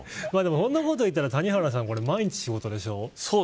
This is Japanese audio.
そんなこと言ったら谷原さん毎日仕事でしょ。